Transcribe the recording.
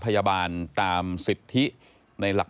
พบหน้าลูกแบบเป็นร่างไร้วิญญาณ